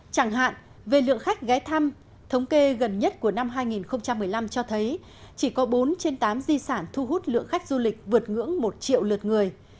chẳng hạn về lượng khách ghé thăm thống kê gần nhất của năm hai nghìn một mươi năm cho thấy chỉ có bốn trên tám di sản thu hút lượng khách du lịch vượt ngưỡng một triệu lượt người